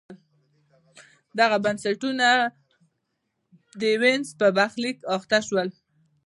دغه بنسټونه د وینز په برخلیک اخته شول.